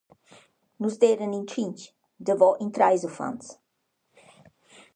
Nus d’eiran in tschinch, davo in trais uffants.»